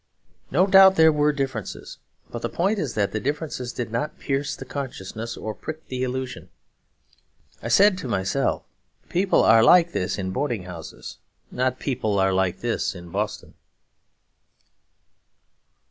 No doubt there were differences; but the point is that the differences did not pierce the consciousness or prick the illusion. I said to myself, 'People are like this in boarding houses,' not 'People are like this in Boston.'